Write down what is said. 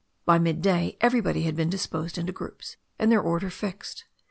By midday everybody had been disposed into groups and their order fixed.